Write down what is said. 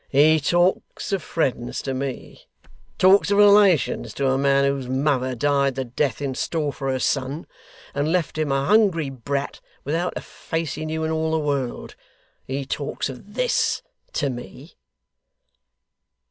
'He talks of friends to me talks of relations to a man whose mother died the death in store for her son, and left him, a hungry brat, without a face he knew in all the world! He talks of this to me!